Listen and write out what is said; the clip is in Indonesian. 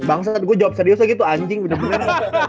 bangsat gue jawab serius aja gitu anjing bener bener